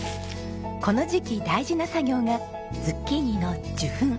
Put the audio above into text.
この時期大事な作業がズッキーニの授粉。